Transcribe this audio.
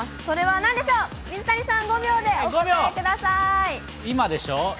それはなんでしょう？